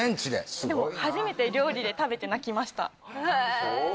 すごいな初めて料理で食べて泣きましたへえ